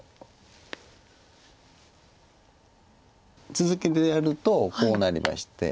続けてやるとこうなりまして。